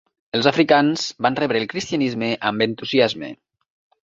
Els africans van rebre el cristianisme amb entusiasme.